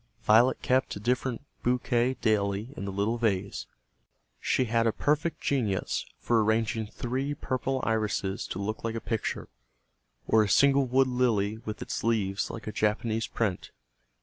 Violet kept a different bouquet daily in the little vase. She had a perfect genius for arranging three purple irises to look like a picture, or a single wood lily with its leaves like a Japanese print.